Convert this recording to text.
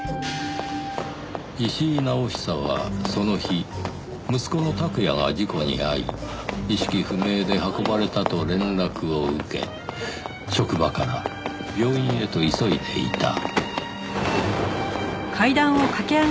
石井直久はその日息子の琢也が事故に遭い意識不明で運ばれたと連絡を受け職場から病院へと急いでいた。